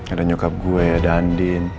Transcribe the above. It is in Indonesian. ada nyokap gue ada andin